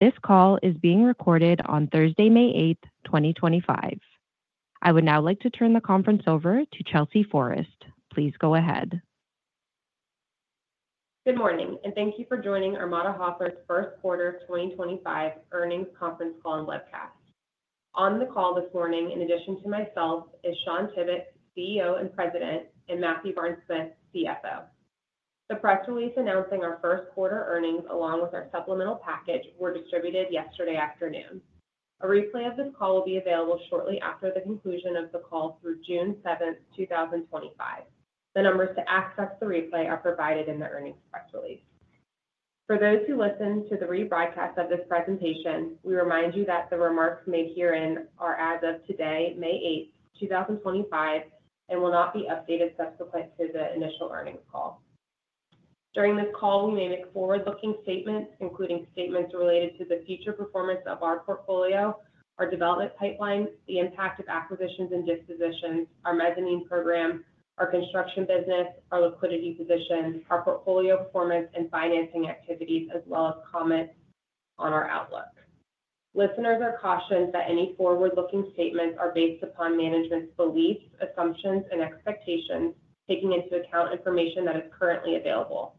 This call is being recorded on Thursday, May 8, 2025. I would now like to turn the conference over to Chelsea Forrest. Please go ahead. Good morning, and thank you for joining Armada Hoffler's first quarter 2025 earnings conference call on webcast. On the call this morning, in addition to myself, is Shawn Tibbetts, CEO and President, and Matthew Barnes-Smith, CFO. The press release announcing our first quarter earnings, along with our supplemental package, were distributed yesterday afternoon. A replay of this call will be available shortly after the conclusion of the call through June 7, 2025. The numbers to access the replay are provided in the earnings press release. For those who listen to the rebroadcast of this presentation, we remind you that the remarks made herein are as of today, May 8, 2025, and will not be updated subsequent to the initial earnings call. During this call, we may make forward-looking statements, including statements related to the future performance of our portfolio, our development pipeline, the impact of acquisitions and dispositions, our mezzanine program, our construction business, our liquidity position, our portfolio performance, and financing activities, as well as comments on our outlook. Listeners are cautioned that any forward-looking statements are based upon management's beliefs, assumptions, and expectations, taking into account information that is currently available.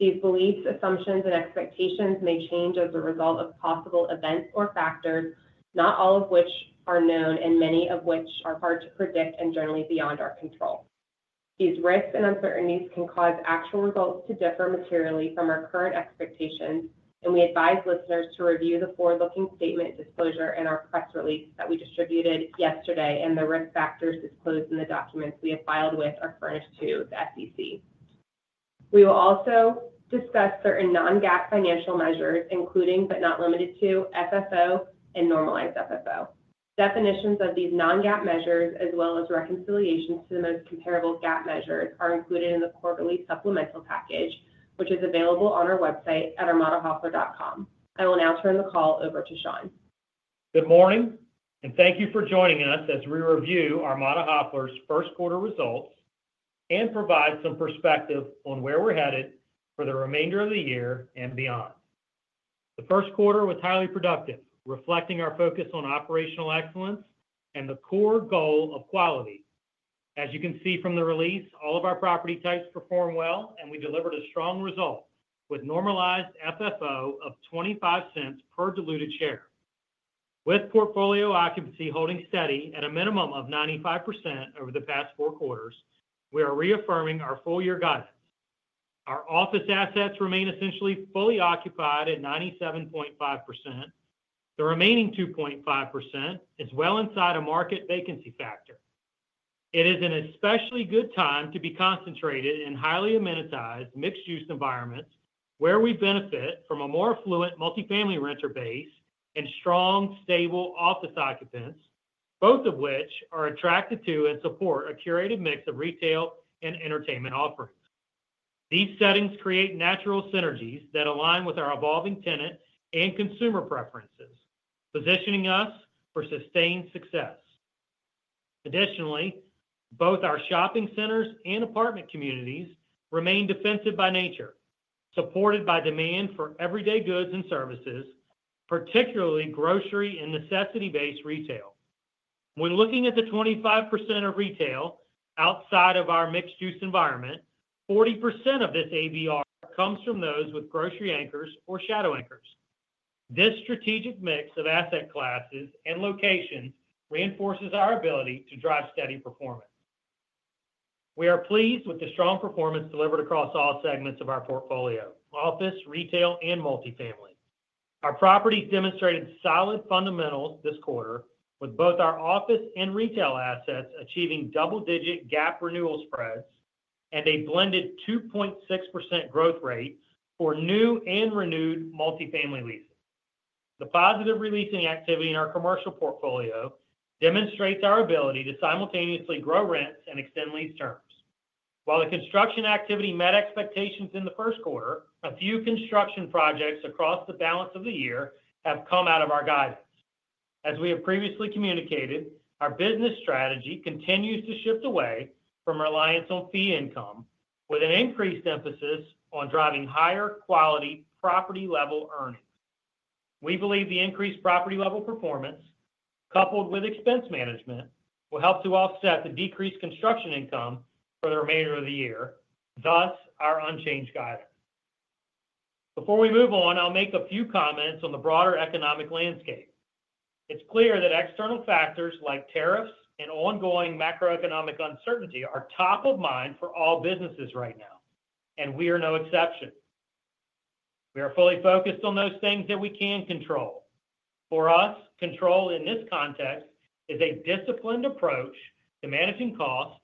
These beliefs, assumptions, and expectations may change as a result of possible events or factors, not all of which are known and many of which are hard to predict and generally beyond our control. These risks and uncertainties can cause actual results to differ materially from our current expectations, and we advise listeners to review the forward-looking statement disclosure in our press release that we distributed yesterday, and the risk factors disclosed in the documents we have filed with or furnished to the SEC. We will also discuss certain non-GAAP financial measures, including but not limited to FFO and normalized FFO. Definitions of these non-GAAP measures, as well as reconciliations to the most comparable GAAP measures, are included in the quarterly supplemental package, which is available on our website at armadahoffler.com. I will now turn the call over to Shawn. Good morning, and thank you for joining us as we review Armada Hoffler's first quarter results and provide some perspective on where we're headed for the remainder of the year and beyond. The first quarter was highly productive, reflecting our focus on operational excellence and the core goal of quality. As you can see from the release, all of our property types performed well, and we delivered a strong result with normalized FFO of $0.25 per diluted share. With portfolio occupancy holding steady at a minimum of 95% over the past four quarters, we are reaffirming our full-year guidance. Our office assets remain essentially fully occupied at 97.5%. The remaining 2.5% is well inside a market vacancy factor. It is an especially good time to be concentrated in highly amenitized mixed-use environments where we benefit from a more affluent multifamily renter base and strong, stable office occupants, both of which are attracted to and support a curated mix of retail and entertainment offerings. These settings create natural synergies that align with our evolving tenant and consumer preferences, positioning us for sustained success. Additionally, both our shopping centers and apartment communities remain defensive by nature, supported by demand for everyday goods and services, particularly grocery and necessity-based retail. When looking at the 25% of retail outside of our mixed-use environment, 40% of this ABR comes from those with grocery anchors or shadow anchors. This strategic mix of asset classes and locations reinforces our ability to drive steady performance. We are pleased with the strong performance delivered across all segments of our portfolio: office, retail, and multifamily. Our properties demonstrated solid fundamentals this quarter, with both our office and retail assets achieving double-digit GAAP renewal spreads and a blended 2.6% growth rate for new and renewed multifamily leases. The positive releasing activity in our commercial portfolio demonstrates our ability to simultaneously grow rents and extend lease terms. While the construction activity met expectations in the first quarter, a few construction projects across the balance of the year have come out of our guidance. As we have previously communicated, our business strategy continues to shift away from reliance on fee income, with an increased emphasis on driving higher quality property-level earnings. We believe the increased property-level performance, coupled with expense management, will help to offset the decreased construction income for the remainder of the year, thus our unchanged guidance. Before we move on, I'll make a few comments on the broader economic landscape. It's clear that external factors like tariffs and ongoing macroeconomic uncertainty are top of mind for all businesses right now, and we are no exception. We are fully focused on those things that we can control. For us, control in this context is a disciplined approach to managing costs,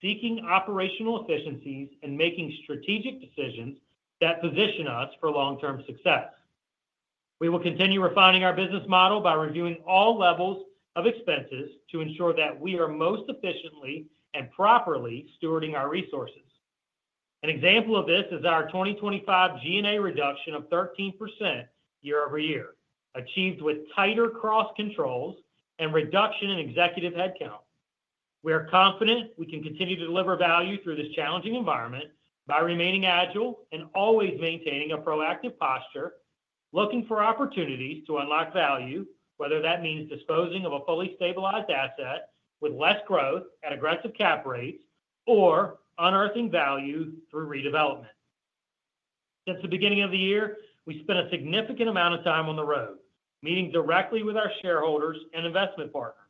seeking operational efficiencies, and making strategic decisions that position us for long-term success. We will continue refining our business model by reviewing all levels of expenses to ensure that we are most efficiently and properly stewarding our resources. An example of this is our 2025 G&A reduction of 13% year-over-year, achieved with tighter cross controls and reduction in executive headcount. We are confident we can continue to deliver value through this challenging environment by remaining agile and always maintaining a proactive posture, looking for opportunities to unlock value, whether that means disposing of a fully stabilized asset with less growth at aggressive cap rates or unearthing value through redevelopment. Since the beginning of the year, we spent a significant amount of time on the road, meeting directly with our shareholders and investment partners.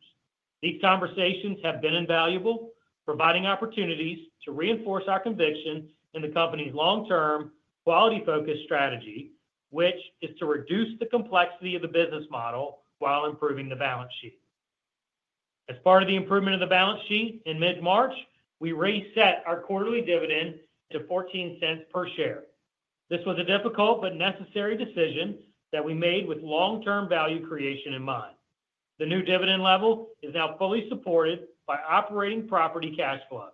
These conversations have been invaluable, providing opportunities to reinforce our conviction in the company's long-term quality-focused strategy, which is to reduce the complexity of the business model while improving the balance sheet. As part of the improvement of the balance sheet in mid-March, we reset our quarterly dividend to $0.14 per share. This was a difficult but necessary decision that we made with long-term value creation in mind. The new dividend level is now fully supported by operating property cash flow.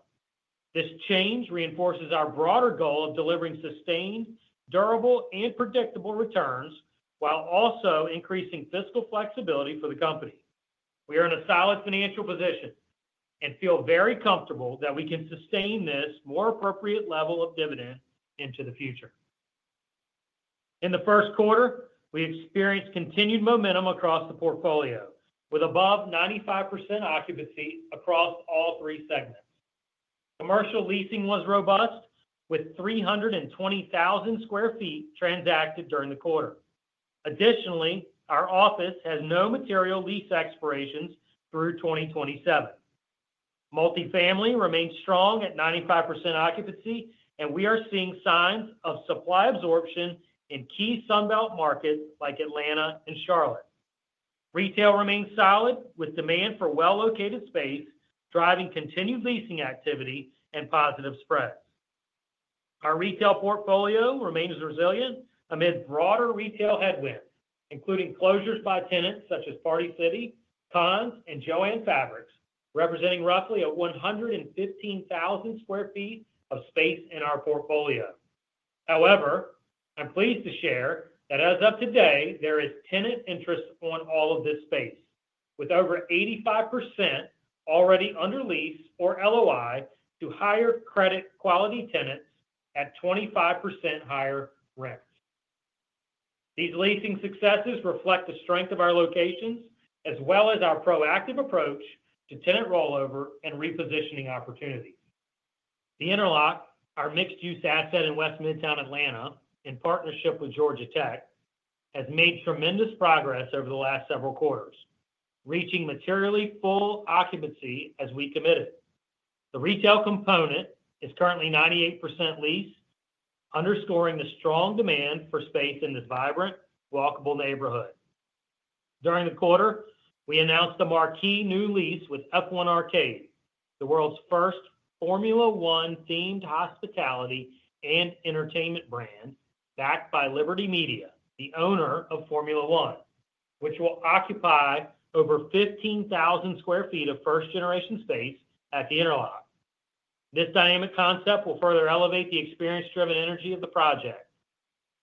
This change reinforces our broader goal of delivering sustained, durable, and predictable returns while also increasing fiscal flexibility for the company. We are in a solid financial position and feel very comfortable that we can sustain this more appropriate level of dividend into the future. In the first quarter, we experienced continued momentum across the portfolio, with above 95% occupancy across all three segments. Commercial leasing was robust, with 320,000 sq ft transacted during the quarter. Additionally, our office has no material lease expirations through 2027. Multifamily remains strong at 95% occupancy, and we are seeing signs of supply absorption in key Sunbelt markets like Atlanta and Charlotte. Retail remains solid, with demand for well-located space driving continued leasing activity and positive spreads. Our retail portfolio remains resilient amid broader retail headwinds, including closures by tenants such as Party City, Conn's, and JOANN Fabrics, representing roughly 115,000 sq ft of space in our portfolio. However, I'm pleased to share that as of today, there is tenant interest on all of this space, with over 85% already under lease or LOI to higher credit quality tenants at 25% higher rents. These leasing successes reflect the strength of our locations as well as our proactive approach to tenant rollover and repositioning opportunities. The Interlock, our mixed-use asset in West Midtown Atlanta in partnership with Georgia Tech, has made tremendous progress over the last several quarters, reaching materially full occupancy as we committed. The retail component is currently 98% leased, underscoring the strong demand for space in this vibrant, walkable neighborhood. During the quarter, we announced a marquee new lease with F1 Arcade, the world's first Formula 1-themed hospitality and entertainment brand backed by Liberty Media, the owner of Formula 1, which will occupy over 15,000 sq ft of first-generation space at The Interlock. This dynamic concept will further elevate the experience-driven energy of the project.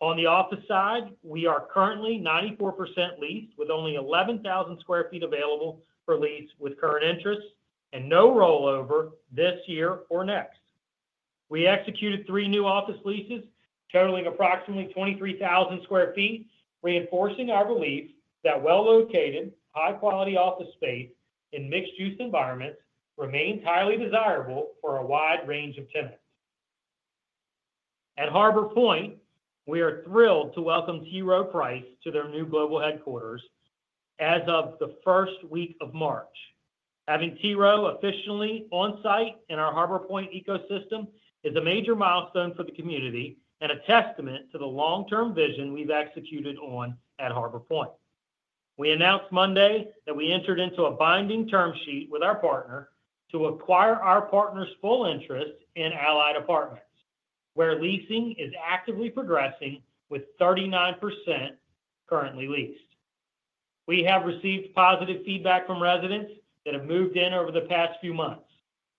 On the office side, we are currently 94% leased, with only 11,000 sq ft available for lease with current interest and no rollover this year or next. We executed three new office leases totaling approximately 23,000 sq ft, reinforcing our belief that well-located, high-quality office space in mixed-use environments remains highly desirable for a wide range of tenants. At Harbor Point, we are thrilled to welcome T. Rowe Price to their new global headquarters as of the first week of March. Having T. Rowe officially on site in our Harbor Point ecosystem is a major milestone for the community and a testament to the long-term vision we've executed on at Harbor Point. We announced Monday that we entered into a binding term sheet with our partner to acquire our partner's full interest in Allied Apartments, where leasing is actively progressing with 39% currently leased. We have received positive feedback from residents that have moved in over the past few months.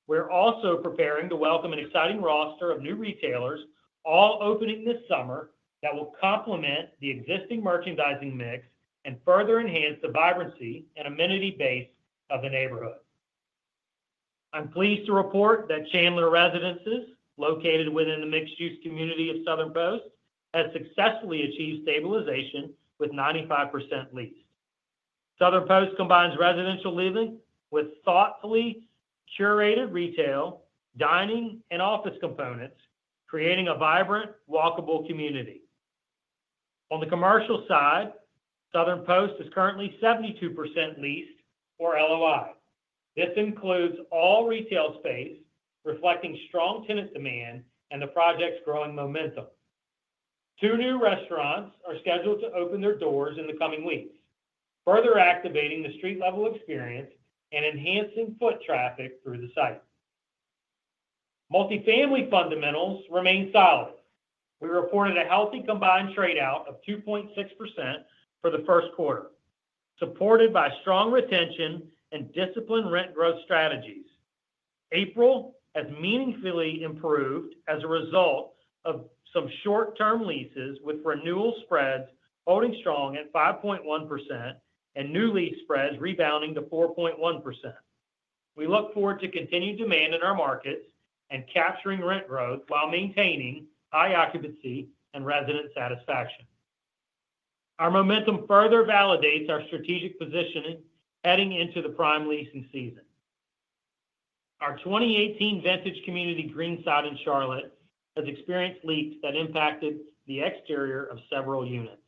We're also preparing to welcome an exciting roster of new retailers, all opening this summer, that will complement the existing merchandising mix and further enhance the vibrancy and amenity base of the neighborhood. I'm pleased to report that Chandler Residences, located within the mixed-use community of Southern Post, has successfully achieved stabilization with 95% leased. Southern Post combines residential living with thoughtfully curated retail, dining, and office components, creating a vibrant, walkable community. On the commercial side, Southern Post is currently 72% leased, or LOI. This includes all retail space, reflecting strong tenant demand and the project's growing momentum. Two new restaurants are scheduled to open their doors in the coming weeks, further activating the street-level experience and enhancing foot traffic through the site. Multifamily fundamentals remain solid. We reported a healthy combined tradeout of 2.6% for the first quarter, supported by strong retention and disciplined rent growth strategies. April has meaningfully improved as a result of some short-term leases with renewal spreads holding strong at 5.1% and new lease spreads rebounding to 4.1%. We look forward to continued demand in our markets and capturing rent growth while maintaining high occupancy and resident satisfaction. Our momentum further validates our strategic position heading into the prime leasing season. Our 2018 vintage community Greenside in Charlotte has experienced leaks that impacted the exterior of several units,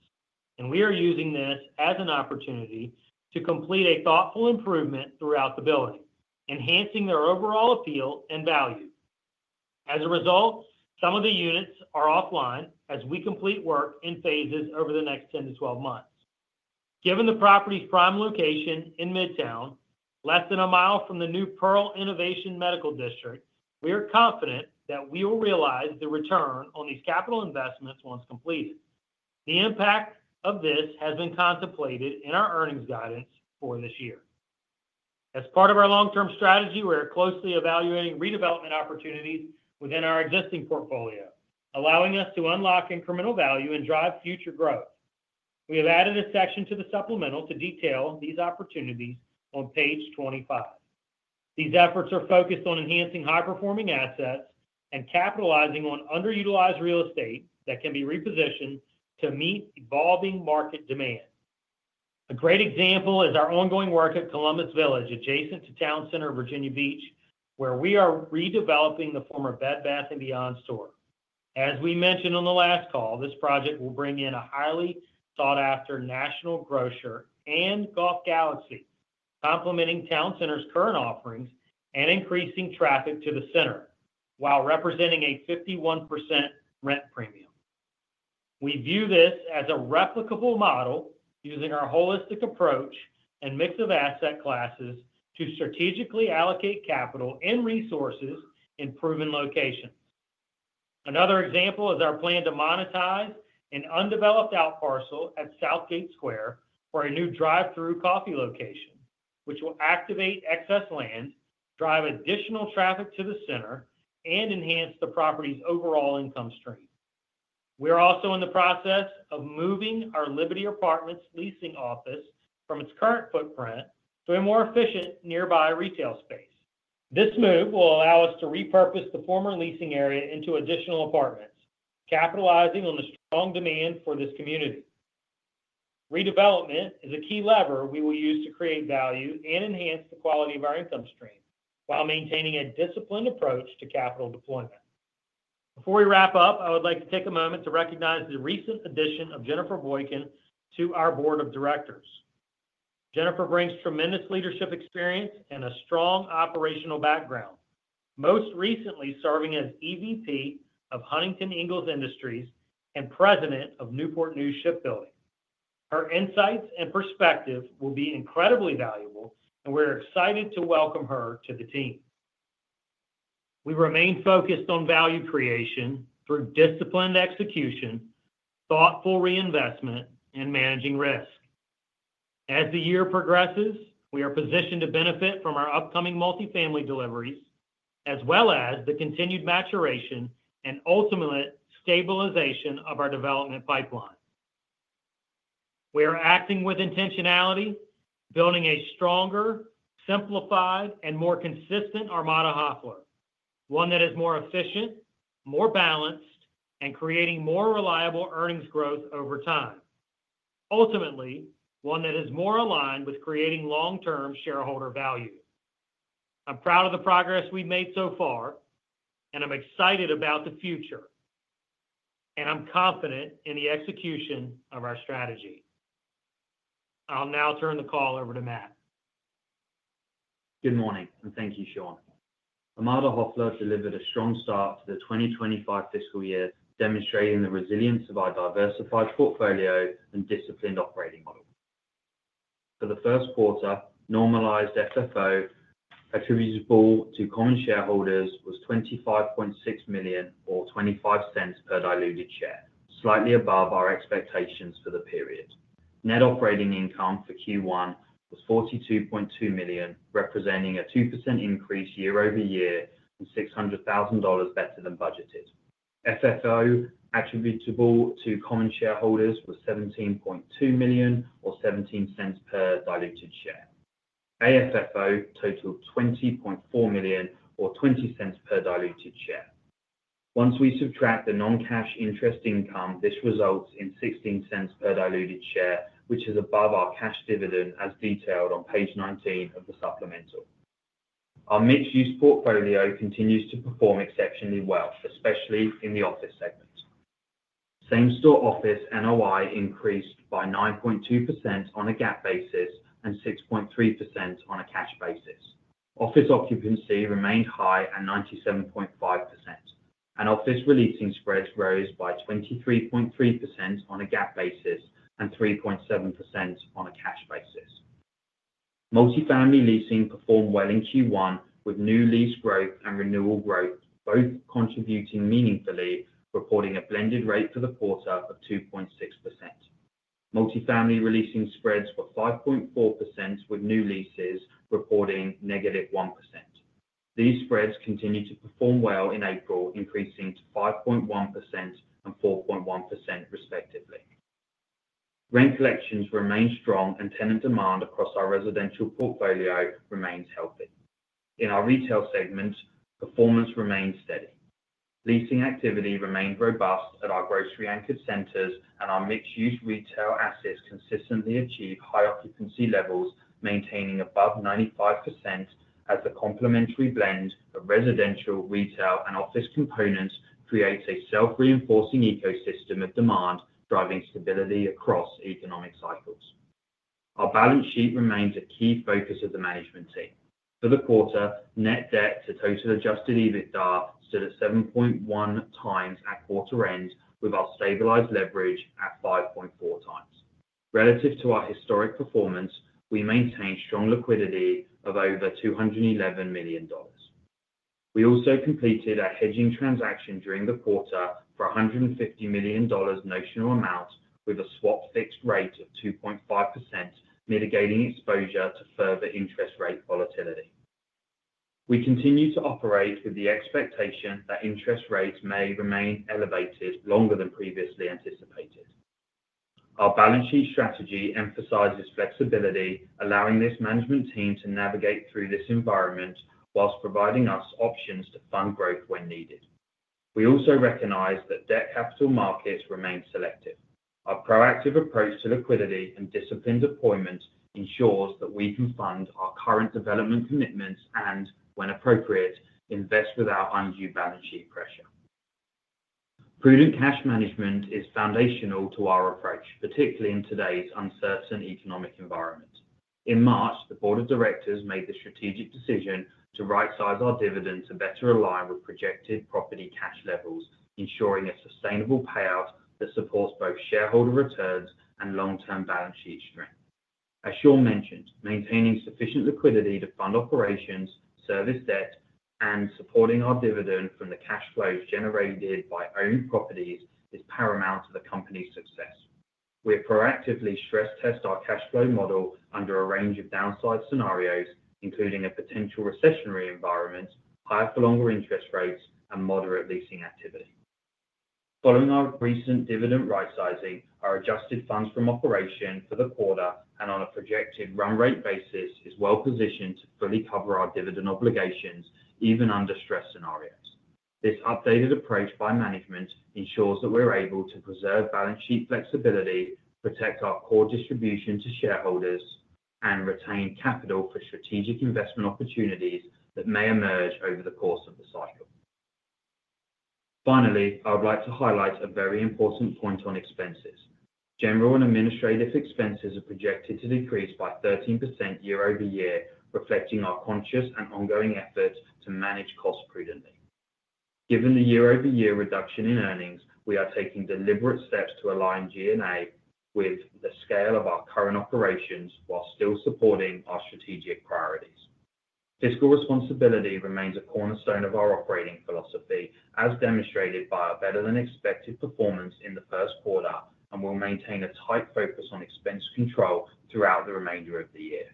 and we are using this as an opportunity to complete a thoughtful improvement throughout the building, enhancing their overall appeal and value. As a result, some of the units are offline as we complete work in phases over the next 10-12 months. Given the property's prime location in Midtown, less than a mile from the new Pearl Innovation Medical District, we are confident that we will realize the return on these capital investments once completed. The impact of this has been contemplated in our earnings guidance for this year. As part of our long-term strategy, we are closely evaluating redevelopment opportunities within our existing portfolio, allowing us to unlock incremental value and drive future growth. We have added a section to the supplemental to detail these opportunities on page 25. These efforts are focused on enhancing high-performing assets and capitalizing on underutilized real estate that can be repositioned to meet evolving market demand. A great example is our ongoing work at Columbus Village, adjacent to Town Center Virginia Beach, where we are redeveloping the former Bed Bath & Beyond store. As we mentioned on the last call, this project will bring in a highly sought-after National Grocer and Golf Galaxy, complementing Town Center's current offerings and increasing traffic to the center while representing a 51% rent premium. We view this as a replicable model using our holistic approach and mix of asset classes to strategically allocate capital and resources in proven locations. Another example is our plan to monetize an undeveloped outparcel at Southgate Square for a new drive-through coffee location, which will activate excess land, drive additional traffic to the center, and enhance the property's overall income stream. We are also in the process of moving our Liberty Apartments leasing office from its current footprint to a more efficient nearby retail space. This move will allow us to repurpose the former leasing area into additional apartments, capitalizing on the strong demand for this community. Redevelopment is a key lever we will use to create value and enhance the quality of our income stream while maintaining a disciplined approach to capital deployment. Before we wrap up, I would like to take a moment to recognize the recent addition of Jennifer Boykin to our board of directors. Jennifer brings tremendous leadership experience and a strong operational background, most recently serving as EVP of Huntington Ingalls Industries and President of Newport News Shipbuilding. Her insights and perspective will be incredibly valuable, and we're excited to welcome her to the team. We remain focused on value creation through disciplined execution, thoughtful reinvestment, and managing risk. As the year progresses, we are positioned to benefit from our upcoming multifamily deliveries, as well as the continued maturation and ultimate stabilization of our development pipeline. We are acting with intentionality, building a stronger, simplified, and more consistent Armada Hoffler, one that is more efficient, more balanced, and creating more reliable earnings growth over time. Ultimately, one that is more aligned with creating long-term shareholder value. I'm proud of the progress we've made so far, and I'm excited about the future, and I'm confident in the execution of our strategy. I'll now turn the call over to Matt. Good morning, and thank you, Shawn. Armada Hoffler delivered a strong start to the 2025 fiscal year, demonstrating the resilience of our diversified portfolio and disciplined operating model. For the first quarter, normalized FFO attributable to common shareholders was $25.6 million, or $0.25 per diluted share, slightly above our expectations for the period. Net operating income for Q1 was $42.2 million, representing a 2% increase year-over-year and $600,000 better than budgeted. FFO attributable to common shareholders was $17.2 million, or $0.17 per diluted share. AFFO totaled $20.4 million, or $0.20 per diluted share. Once we subtract the non-cash interest income, this results in $0.16 per diluted share, which is above our cash dividend as detailed on page 19 of the supplemental. Our mixed-use portfolio continues to perform exceptionally well, especially in the office segment. Same-store office NOI increased by 9.2% on a GAAP basis and 6.3% on a cash basis. Office occupancy remained high at 97.5%, and office releasing spreads rose by 23.3% on a GAAP basis and 3.7% on a cash basis. Multifamily leasing performed well in Q1, with new lease growth and renewal growth both contributing meaningfully, reporting a blended rate for the quarter of 2.6%. Multifamily releasing spreads were 5.4%, with new leases reporting -1%. These spreads continued to perform well in April, increasing to 5.1% and 4.1%, respectively. Rent collections remain strong, and tenant demand across our residential portfolio remains healthy. In our retail segment, performance remained steady. Leasing activity remained robust at our grocery-anchored centers, and our mixed-use retail assets consistently achieved high occupancy levels, maintaining above 95% as the complementary blend of residential, retail, and office components creates a self-reinforcing ecosystem of demand, driving stability across economic cycles. Our balance sheet remains a key focus of the management team. For the quarter, net debt to total adjusted EBITDA stood at 7.1x at quarter end, with our stabilized leverage at 5.4x. Relative to our historic performance, we maintained strong liquidity of over $211 million. We also completed a hedging transaction during the quarter for $150 million notional amount, with a swap fixed rate of 2.5%, mitigating exposure to further interest rate volatility. We continue to operate with the expectation that interest rates may remain elevated longer than previously anticipated. Our balance sheet strategy emphasizes flexibility, allowing this management team to navigate through this environment whilst providing us options to fund growth when needed. We also recognize that debt capital markets remain selective. Our proactive approach to liquidity and disciplined deployment ensures that we can fund our current development commitments and, when appropriate, invest without undue balance sheet pressure. Prudent cash management is foundational to our approach, particularly in today's uncertain economic environment. In March, the board of directors made the strategic decision to right-size our dividend to better align with projected property cash levels, ensuring a sustainable payout that supports both shareholder returns and long-term balance sheet strength. As Shawn mentioned, maintaining sufficient liquidity to fund operations, service debt, and supporting our dividend from the cash flows generated by owned properties is paramount to the company's success. We have proactively stress-tested our cash flow model under a range of downside scenarios, including a potential recessionary environment, higher-for-longer interest rates, and moderate leasing activity. Following our recent dividend right-sizing, our adjusted funds from operation for the quarter and on a projected run rate basis is well-positioned to fully cover our dividend obligations, even under stress scenarios. This updated approach by management ensures that we're able to preserve balance sheet flexibility, protect our core distribution to shareholders, and retain capital for strategic investment opportunities that may emerge over the course of the cycle. Finally, I would like to highlight a very important point on expenses. General and administrative expenses are projected to decrease by 13% year-over-year, reflecting our conscious and ongoing efforts to manage costs prudently. Given the year-over-year reduction in earnings, we are taking deliberate steps to align G&A with the scale of our current operations while still supporting our strategic priorities. Fiscal responsibility remains a cornerstone of our operating philosophy, as demonstrated by our better-than-expected performance in the first quarter, and we'll maintain a tight focus on expense control throughout the remainder of the year.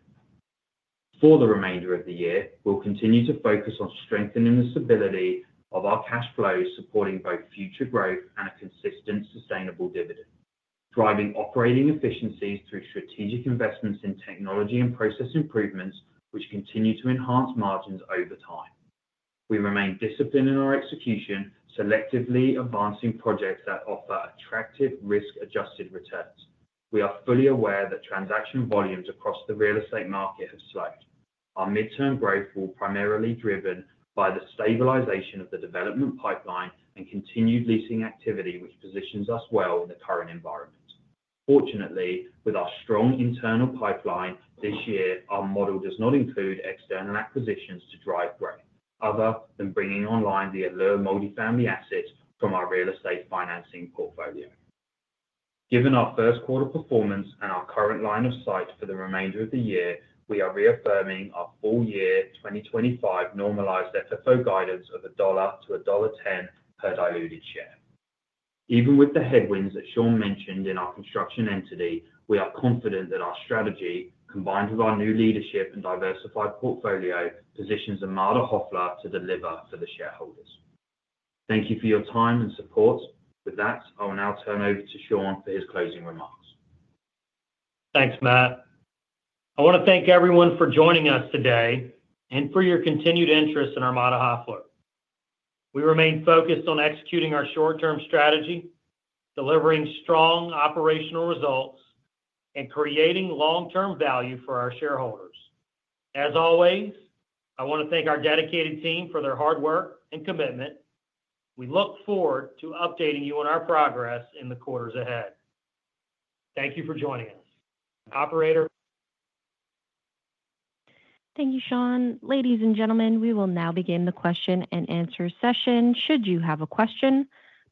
For the remainder of the year, we'll continue to focus on strengthening the stability of our cash flows, supporting both future growth and a consistent, sustainable dividend, driving operating efficiencies through strategic investments in technology and process improvements, which continue to enhance margins over time. We remain disciplined in our execution, selectively advancing projects that offer attractive risk-adjusted returns. We are fully aware that transaction volumes across the real estate market have slowed. Our midterm growth will primarily be driven by the stabilization of the development pipeline and continued leasing activity, which positions us well in the current environment. Fortunately, with our strong internal pipeline this year, our model does not include external acquisitions to drive growth other than bringing online the Allure Multifamily assets from our real estate financing portfolio. Given our first quarter performance and our current line of sight for the remainder of the year, we are reaffirming our full-year 2025 normalized FFO guidance of $1-$1.10 per diluted share. Even with the headwinds that Shawn mentioned in our construction entity, we are confident that our strategy, combined with our new leadership and diversified portfolio, positions Armada Hoffler to deliver for the shareholders. Thank you for your time and support. With that, I will now turn over to Shawn for his closing remarks. Thanks, Matt. I want to thank everyone for joining us today and for your continued interest in Armada Hoffler. We remain focused on executing our short-term strategy, delivering strong operational results, and creating long-term value for our shareholders. As always, I want to thank our dedicated team for their hard work and commitment. We look forward to updating you on our progress in the quarters ahead. Thank you for joining us. Operator. Thank you, Shawn. Ladies and gentlemen, we will now begin the question and answer session. Should you have a question,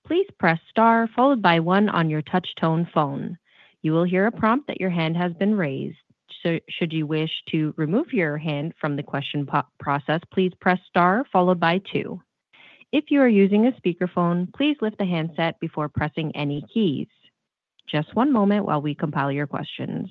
please press star followed by one on your touch-tone phone. You will hear a prompt that your hand has been raised. Should you wish to remove your hand from the question process, please press star followed by two. If you are using a speakerphone, please lift the handset before pressing any keys. Just one moment while we compile your questions.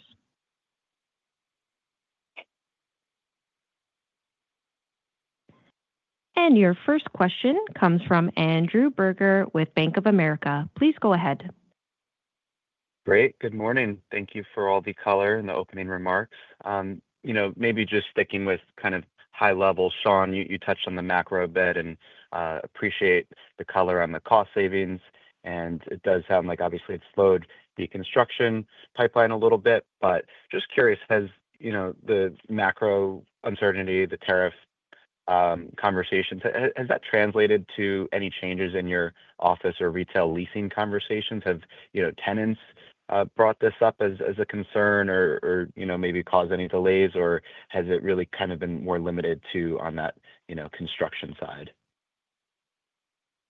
Your first question comes from Andrew Berger with Bank of America. Please go ahead. Great. Good morning. Thank you for all the color and the opening remarks. Maybe just sticking with kind of high level, Shawn, you touched on the macro a bit and appreciate the color on the cost savings. It does sound like, obviously, it's slowed the construction pipeline a little bit. Just curious, has the macro uncertainty, the tariff conversations, has that translated to any changes in your office or retail leasing conversations? Have tenants brought this up as a concern or maybe caused any delays, or has it really kind of been more limited to on that construction side?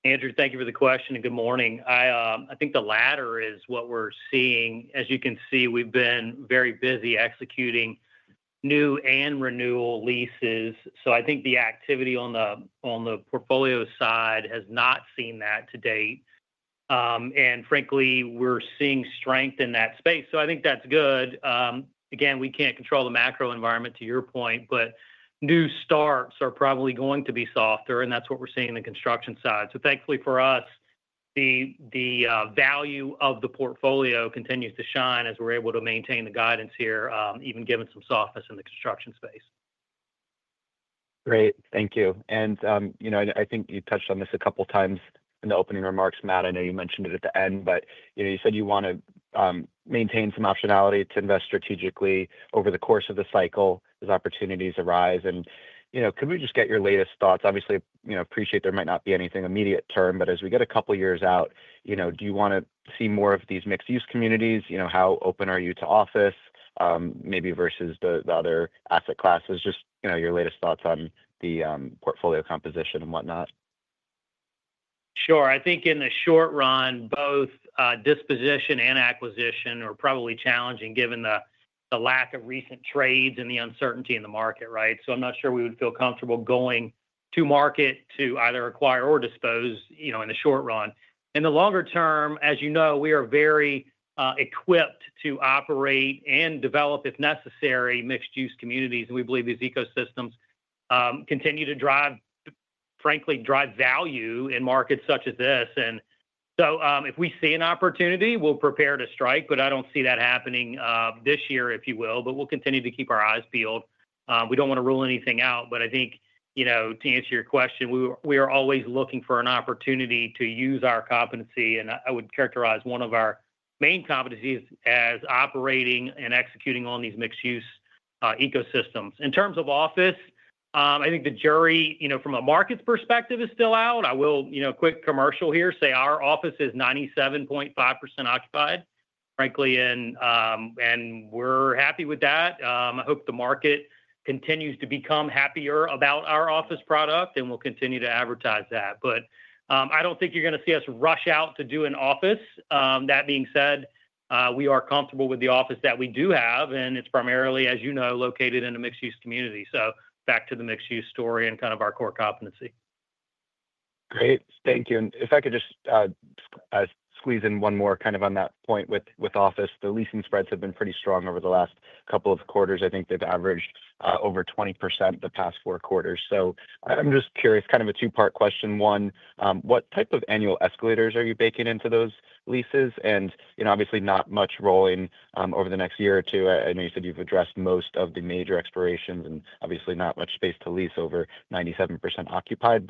Andrew, thank you for the question and good morning. I think the latter is what we're seeing. As you can see, we've been very busy executing new and renewal leases. I think the activity on the portfolio side has not seen that to date. Frankly, we're seeing strength in that space. I think that's good. Again, we can't control the macro environment, to your point, but new starts are probably going to be softer, and that's what we're seeing in the construction side. Thankfully for us, the value of the portfolio continues to shine as we're able to maintain the guidance here, even given some softness in the construction space. Great. Thank you. I think you touched on this a couple of times in the opening remarks, Matt. I know you mentioned it at the end, but you said you want to maintain some optionality to invest strategically over the course of the cycle as opportunities arise. Could we just get your latest thoughts? Obviously, I appreciate there might not be anything immediate term, but as we get a couple of years out, do you want to see more of these mixed-use communities? How open are you to office, maybe versus the other asset classes? Just your latest thoughts on the portfolio composition and whatnot. Sure. I think in the short run, both disposition and acquisition are probably challenging given the lack of recent trades and the uncertainty in the market, right? I am not sure we would feel comfortable going to market to either acquire or dispose in the short run. In the longer term, as you know, we are very equipped to operate and develop, if necessary, mixed-use communities. We believe these ecosystems continue to drive, frankly, drive value in markets such as this. If we see an opportunity, we will prepare to strike, but I do not see that happening this year, if you will, but we will continue to keep our eyes peeled. We do not want to rule anything out, but I think to answer your question, we are always looking for an opportunity to use our competency, and I would characterize one of our main competencies as operating and executing on these mixed-use ecosystems. In terms of office, I think the jury, from a markets perspective, is still out. I will, quick commercial here, say our office is 97.5% occupied, frankly, and we are happy with that. I hope the market continues to become happier about our office product, and we will continue to advertise that. I do not think you are going to see us rush out to do an office. That being said, we are comfortable with the office that we do have, and it is primarily, as you know, located in a mixed-use community. Back to the mixed-use story and kind of our core competency. Great. Thank you. If I could just squeeze in one more kind of on that point with office, the leasing spreads have been pretty strong over the last couple of quarters. I think they've averaged over 20% the past four quarters. I'm just curious, kind of a two-part question. One, what type of annual escalators are you baking into those leases? Obviously, not much rolling over the next year or two. I know you said you've addressed most of the major expirations and obviously not much space to lease, over 97% occupied.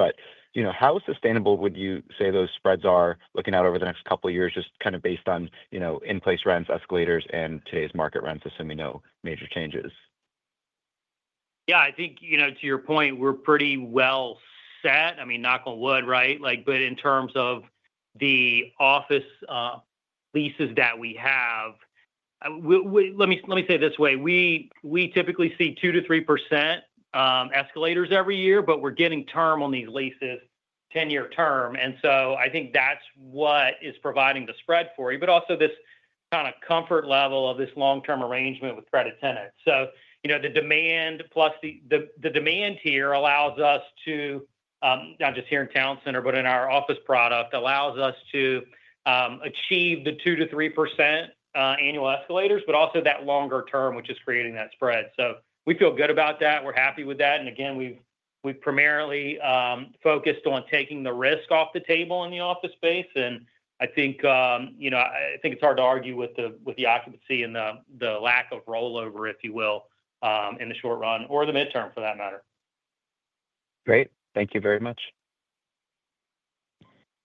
How sustainable would you say those spreads are looking out over the next couple of years, just kind of based on in-place rents, escalators, and today's market rents, assuming no major changes? Yeah, I think to your point, we're pretty well set. I mean, knock on wood, right? In terms of the office leases that we have, let me say it this way. We typically see 2%-3% escalators every year, but we're getting term on these leases, 10-year term. I think that's what is providing the spread for you, but also this kind of comfort level of this long-term arrangement with credit tenants. The demand plus the demand tier allows us to, not just here in Town Center, but in our office product, achieve the 2%-3% annual escalators, but also that longer term, which is creating that spread. We feel good about that. We're happy with that. Again, we've primarily focused on taking the risk off the table in the office space. I think it's hard to argue with the occupancy and the lack of rollover, if you will, in the short run or the midterm for that matter. Great. Thank you very much.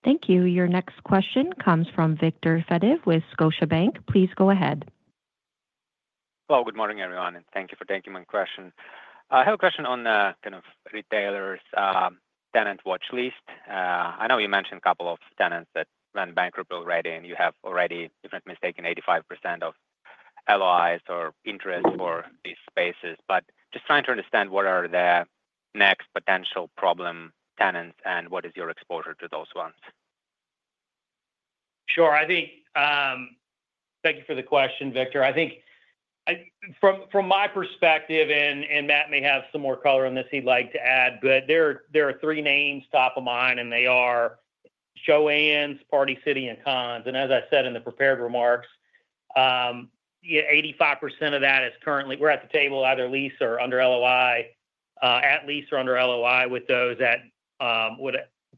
Thank you. Your next question comes from Viktor Fediv with Scotiabank. Please go ahead. Hello. Good morning, everyone. Thank you for taking my question. I have a question on the kind of retailers' tenant watch list. I know you mentioned a couple of tenants that went bankrupt already, and you have already, if I'm not mistaken, 85% of LOIs or interest for these spaces. Just trying to understand what are the next potential problem tenants and what is your exposure to those ones? Sure. Thank you for the question, Viktor. I think from my perspective, and Matt may have some more color on this he'd like to add, but there are three names top of mind, and they are JOANN Fabrics, Party City, and Conn's. As I said in the prepared remarks, 85% of that is currently we're at the table either lease or under LOI, at lease or under LOI with those at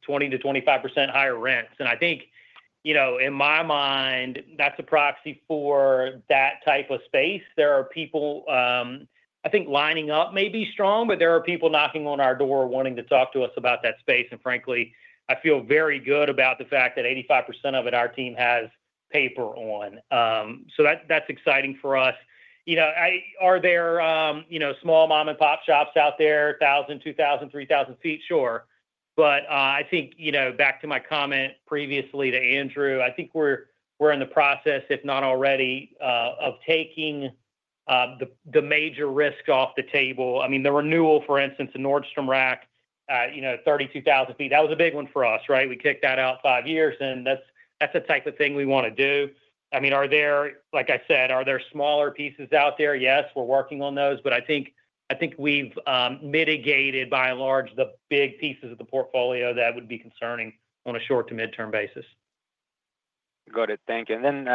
20%-25% higher rents. I think in my mind, that's a proxy for that type of space. There are people, I think, lining up may be strong, but there are people knocking on our door wanting to talk to us about that space. Frankly, I feel very good about the fact that 85% of it our team has paper on. That's exciting for us. Are there small mom-and-pop shops out there, 1,000 ft, 2,000 ft, 3,000 ft? Sure. I think back to my comment previously to Andrew, I think we're in the process, if not already, of taking the major risk off the table. I mean, the renewal, for instance, in Nordstrom Rack, 32,000 ft, that was a big one for us, right? We kicked that out five years, and that's the type of thing we want to do. I mean, like I said, are there smaller pieces out there? Yes, we're working on those, but I think we've mitigated by and large the big pieces of the portfolio that would be concerning on a short to midterm basis. Got it. Thank you. Then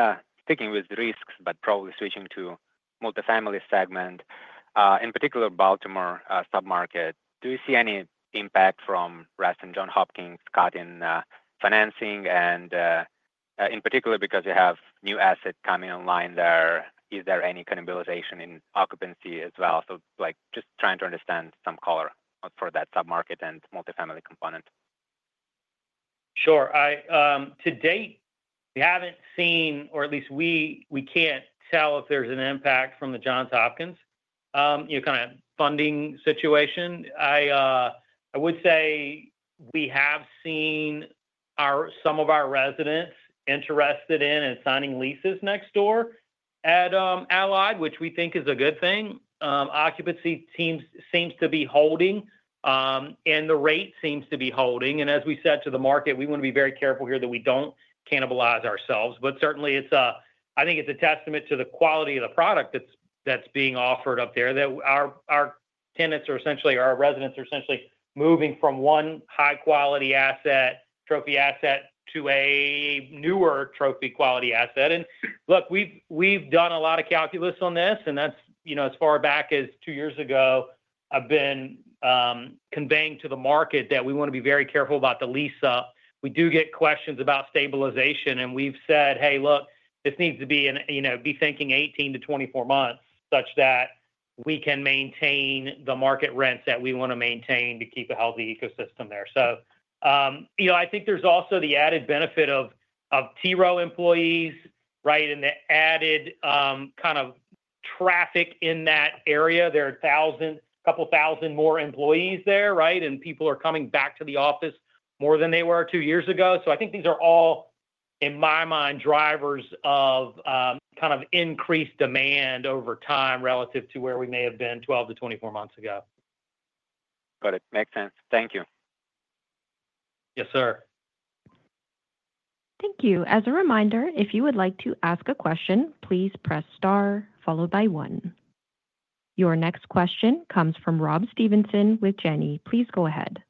sticking with risks, but probably switching to multifamily segment, in particular, Baltimore submarket, do you see any impact from Reston, Johns Hopkins, Cotton Financing? In particular, because you have new assets coming online there, is there any kind of realization in occupancy as well? Just trying to understand some color for that submarket and multifamily component. Sure. To date, we have not seen, or at least we cannot tell if there is an impact from the Johns Hopkins kind of funding situation. I would say we have seen some of our residents interested in signing leases next door at Allied, which we think is a good thing. Occupancy seems to be holding, and the rate seems to be holding. As we said to the market, we want to be very careful here that we do not cannibalize ourselves. I think it's a testament to the quality of the product that's being offered up there that our tenants are essentially, our residents are essentially moving from one high-quality asset, trophy asset, to a newer trophy quality asset. Look, we've done a lot of calculus on this, and as far back as two years ago, I've been conveying to the market that we want to be very careful about the lease up. We do get questions about stabilization, and we've said, "Hey, look, this needs to be thinking 18-24 months such that we can maintain the market rents that we want to maintain to keep a healthy ecosystem there." I think there's also the added benefit of TRO employees, right, and the added kind of traffic in that area. There are a couple thousand more employees there, right? People are coming back to the office more than they were two years ago. I think these are all, in my mind, drivers of kind of increased demand over time relative to where we may have been 12-24 months ago. Got it. Makes sense. Thank you. Yes, sir. Thank you. As a reminder, if you would like to ask a question, please press star followed by one. Your next question comes from Rob Stevenson with Janney. Please go ahead.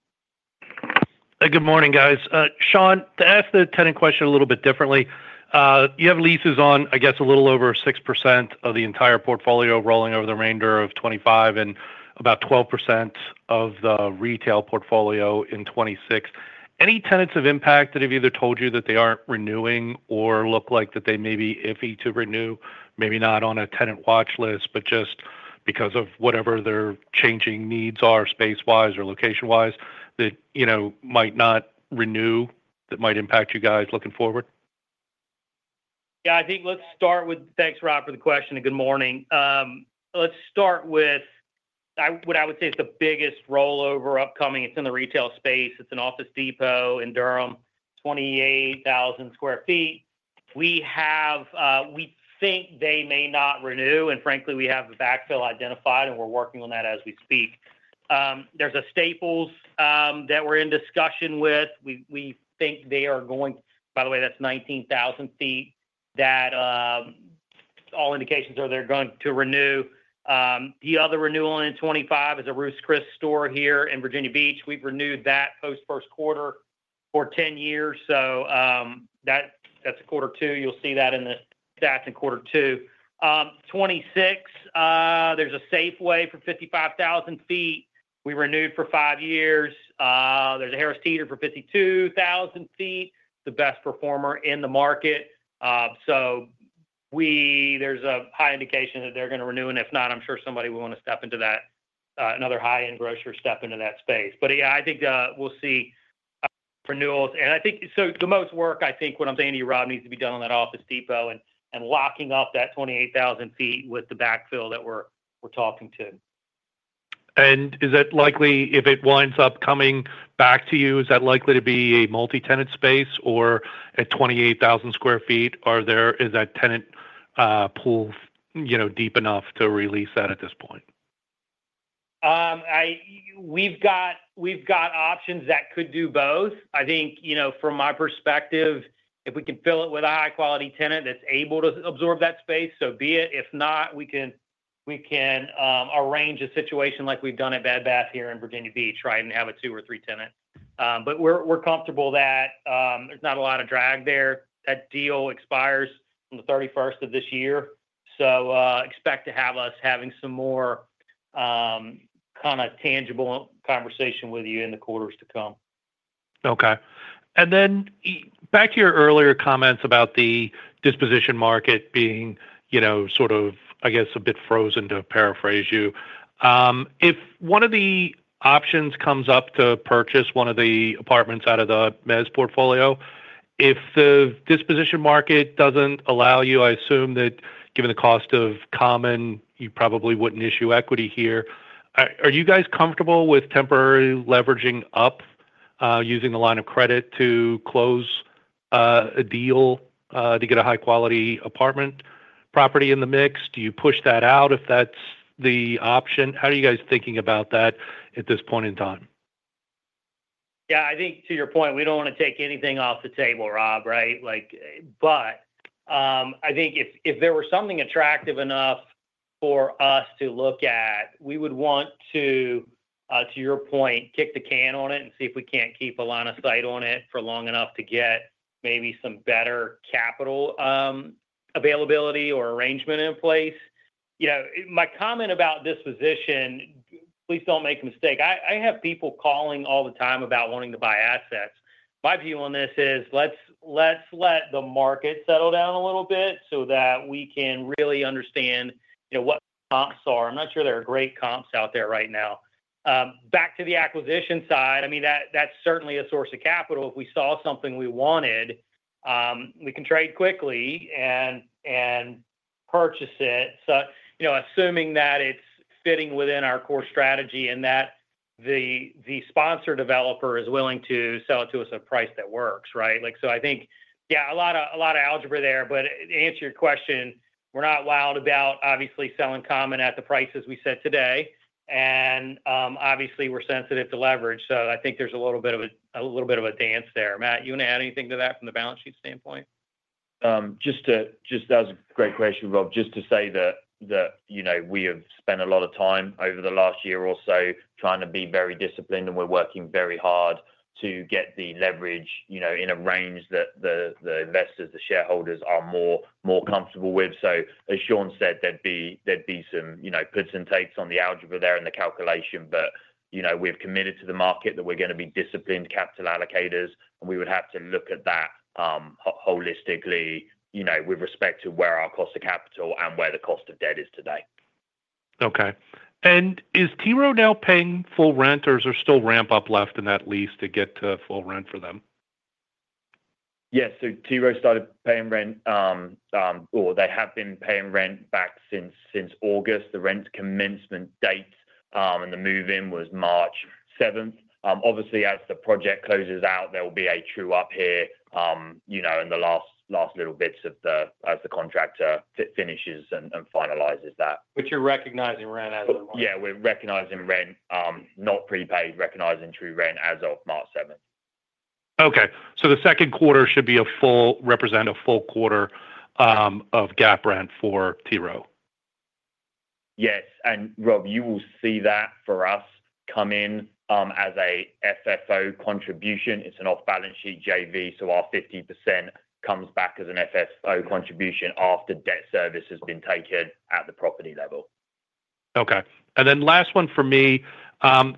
Good morning, guys. Shawn, to ask the tenant question a little bit differently, you have leases on, I guess, a little over 6% of the entire portfolio rolling over the remainder of 2025 and about 12% of the retail portfolio in 2026. Any tenants of impact that have either told you that they aren't renewing or look like that they may be iffy to renew, maybe not on a tenant watch list, but just because of whatever their changing needs are space-wise or location-wise that might not renew that might impact you guys looking forward? Yeah, I think let's start with thanks, Rob, for the question. And good morning. Let's start with what I would say is the biggest rollover upcoming. It's in the retail space. It's an Office Depot in Durham, 28,000 sq ft. We think they may not renew, and frankly, we have a backfill identified, and we're working on that as we speak. There's a Staples that we're in discussion with. We think they are going—by the way, that's 19,000 ft—that all indications are they're going to renew. The other renewal in 2025 is a Ruth's Chris store here in Virginia Beach. We've renewed that post-first quarter for 10 years. That is a quarter two. You'll see that in the stats in quarter two. In 2026, there's a Safeway for 55,000 ft. We renewed for five years. There's a Harris Teeter for 52,000 ft, the best performer in the market. There is a high indication that they're going to renew, and if not, I'm sure somebody will want to step into that, another high-end grocer step into that space. Yeah, I think we'll see renewals. I think the most work, what I'm saying to you, Rob, needs to be done on that Office Depot and locking up that 28,000 ft with the backfill that we're talking to. Is it likely, if it winds up coming back to you, is that likely to be a multi-tenant space or at 28,000 sq ft? Is that tenant pool deep enough to release that at this point? We've got options that could do both. I think from my perspective, if we can fill it with a high-quality tenant that's able to absorb that space, so be it. If not, we can arrange a situation like we've done at Bed Bath & Beyond here in Virginia Beach, right, and have a two or three tenant. We're comfortable that there's not a lot of drag there. That deal expires on the 31st of this year. Expect to have us having some more kind of tangible conversation with you in the quarters to come. Okay. Back to your earlier comments about the disposition market being sort of, I guess, a bit frozen to paraphrase you. If one of the options comes up to purchase one of the apartments out of the Mez portfolio, if the disposition market does not allow you, I assume that given the cost of common, you probably would not issue equity here. Are you guys comfortable with temporarily leveraging up using the line of credit to close a deal to get a high-quality apartment property in the mix? Do you push that out if that is the option? How are you guys thinking about that at this point in time? Yeah, I think to your point, we do not want to take anything off the table, Rob, right? I think if there were something attractive enough for us to look at, we would want to, to your point, kick the can on it and see if we can't keep a line of sight on it for long enough to get maybe some better capital availability or arrangement in place. My comment about disposition, please don't make a mistake. I have people calling all the time about wanting to buy assets. My view on this is let's let the market settle down a little bit so that we can really understand what comps are. I'm not sure there are great comps out there right now. Back to the acquisition side, I mean, that's certainly a source of capital. If we saw something we wanted, we can trade quickly and purchase it. Assuming that it's fitting within our core strategy and that the sponsor developer is willing to sell it to us at a price that works, right? I think, yeah, a lot of algebra there. To answer your question, we're not wild about obviously selling common at the prices we set today. Obviously, we're sensitive to leverage. I think there's a little bit of a dance there. Matt, you want to add anything to that from the balance sheet standpoint? That was a great question, Rob. Just to say that we have spent a lot of time over the last year or so trying to be very disciplined, and we're working very hard to get the leverage in a range that the investors, the shareholders are more comfortable with. As Shawn said, there'd be some puts and takes on the algebra there and the calculation, but we've committed to the market that we're going to be disciplined capital allocators, and we would have to look at that holistically with respect to where our cost of capital and where the cost of debt is today. Okay. Is T. Rowe now paying full rent, or is there still ramp up left in that lease to get to full rent for them? Yes. T. Rowe started paying rent, or they have been paying rent back since August. The rent commencement date and the move-in was March 7th. Obviously, as the project closes out, there will be a true up here in the last little bits as the contractor finishes and finalizes that. But you're recognizing rent as of March? Yeah, we're recognizing rent, not prepaid, recognizing true rent as of March 7th. Okay. The second quarter should represent a full quarter of GAAP rent for TRO? Yes. Rob, you will see that for us come in as an FFO contribution. It's an off-balance sheet JV, so our 50% comes back as an FFO contribution after debt service has been taken at the property level. Okay. Last one for me,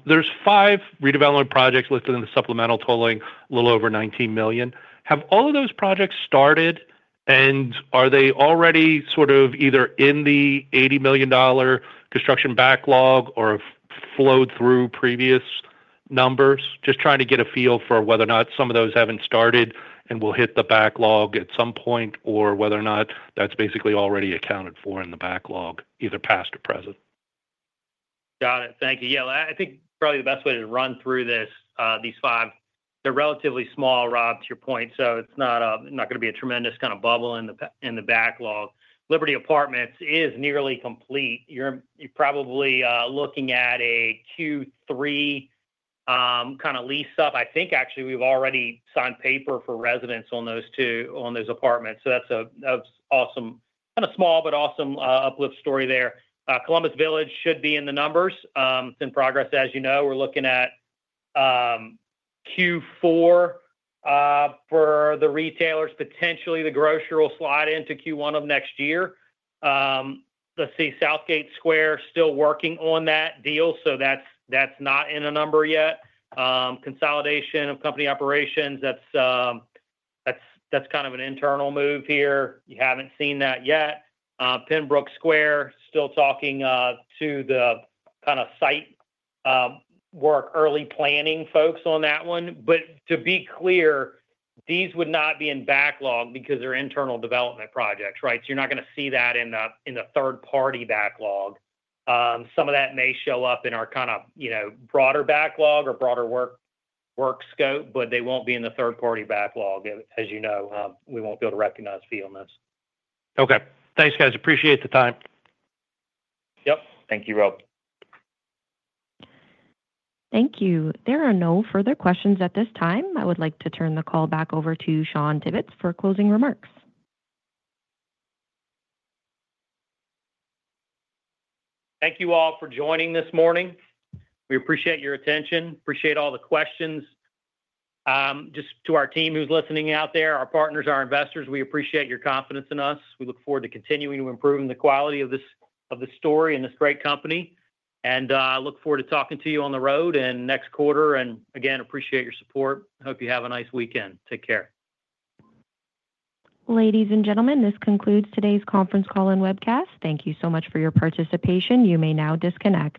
there's five redevelopment projects listed in the supplemental totaling a little over $19 million. Have all of those projects started, and are they already sort of either in the $80 million construction backlog or flowed through previous numbers? Just trying to get a feel for whether or not some of those have not started and will hit the backlog at some point, or whether or not that is basically already accounted for in the backlog, either past or present. Got it. Thank you. Yeah, I think probably the best way to run through these five, they are relatively small, Rob, to your point. It is not going to be a tremendous kind of bubble in the backlog. Liberty Apartments is nearly complete. You are probably looking at a Q3 kind of lease up. I think actually we have already signed paper for residents on those apartments. That is an awesome kind of small but awesome uplift story there. Columbus Village should be in the numbers. It is in progress, as you know. We are looking at Q4 for the retailers. Potentially, the grocer will slide into Q1 of next year. Let us see. Southgate Square is still working on that deal, so that's not in a number yet. Consolidation of company operations, that's kind of an internal move here. You haven't seen that yet. Pembroke Square, still talking to the kind of site work early planning folks on that one. To be clear, these would not be in backlog because they're internal development projects, right? You're not going to see that in the third-party backlog. Some of that may show up in our kind of broader backlog or broader work scope, but they won't be in the third-party backlog, as you know. We won't be able to recognize fee on this. Okay. Thanks, guys. Appreciate the time. Yep. Thank you, Rob. Thank you. There are no further questions at this time. I would like to turn the call back over to Shawn Tibbetts for closing remarks. Thank you all for joining this morning. We appreciate your attention. Appreciate all the questions. Just to our team who's listening out there, our partners, our investors, we appreciate your confidence in us. We look forward to continuing to improve the quality of this story and this great company. I look forward to talking to you on the road and next quarter. Again, appreciate your support. Hope you have a nice weekend. Take care. Ladies and gentlemen, this concludes today's conference call and webcast. Thank you so much for your participation. You may now disconnect.